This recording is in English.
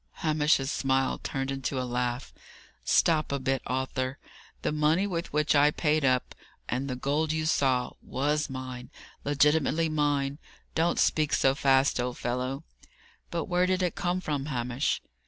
Hamish's smile turned into a laugh. "Stop a bit, Arthur. The money with which I paid up, and the gold you saw, was mine; legitimately mine. Don't speak so fast, old fellow." "But where did it come from, Hamish?"